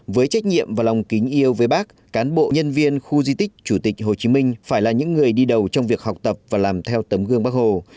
với trách nhiệm và lòng kính yêu với bác cán bộ nhân viên khu di tích chủ tịch hồ chí minh phải là những người đi đầu trong việc học tập và làm theo tấm gương bác hồ